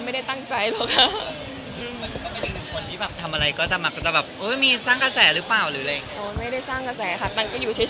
หลังจากนี้เขาจะมีภาพจองที่จงถึงตรงนั้นให้ต้องการรู้ไหม